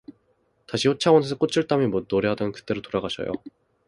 다시 효창원에서 꽃을 따며 노래하던 그때로 돌아가셔요.